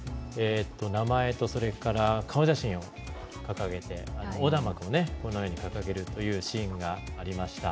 名前と、それから顔写真を掲げて横断幕をこのように掲げるというシーンがありました。